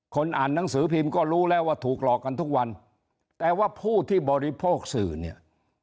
อ่านหนังสือพิมพ์ก็รู้แล้วว่าถูกหลอกกันทุกวันแต่ว่าผู้ที่บริโภคสื่อเนี่ย